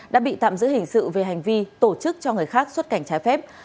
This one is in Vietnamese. đã bị tạm giữ hình sự về hành vi tổ chức cho người khác xuất cảnh trái phép